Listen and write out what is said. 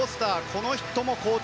この人も好調。